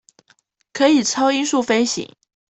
可以超音速飛行